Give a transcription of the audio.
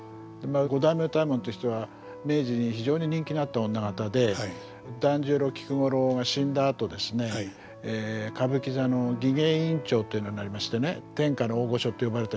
五代目歌右衛門という人は明治に非常に人気のあった女方で團十郎菊五郎が死んだあとですね歌舞伎座の技芸委員長というのになりましてね天下の大御所と呼ばれた人ですから。